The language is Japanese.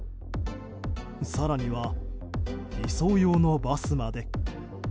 更には移送用のバスまで。